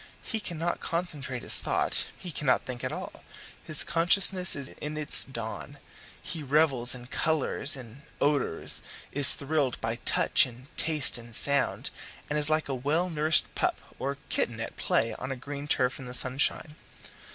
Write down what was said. He cannot concentrate his thought he cannot think at all; his consciousness is in its dawn; he revels in colours, in odours, is thrilled by touch and taste and sound, and is like a well nourished pup or kitten at play on a green turf in the sunshine.